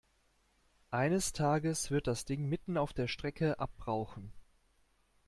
Eines Tages wird das Ding mitten auf der Strecke abrauchen.